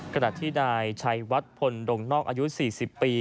กระดัฐที่ได้ชาวัดผลดงนอกอายุ๔๐ปี